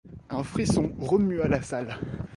Un frisson remua la salle.